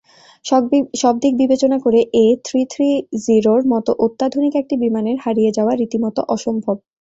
সবদিক বিবেচনা করে এ-থ্রিথ্রিজিরোর মতো অত্যাধুনিক একটা বিমানের হারিয়ে যাওয়া রীতিমতো অসম্ভব।